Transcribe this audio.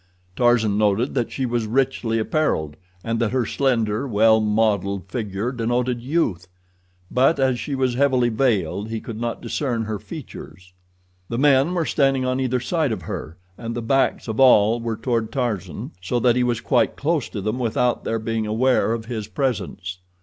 Tarzan noted that she was richly appareled, and that her slender, well modeled figure denoted youth; but as she was heavily veiled he could not discern her features. The men were standing on either side of her, and the backs of all were toward Tarzan, so that he was quite close to them without their being aware of his presence.